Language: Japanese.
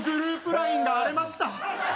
ＬＩＮＥが荒れました